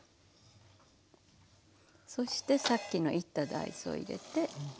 そしてさっきのいった大豆を入れて。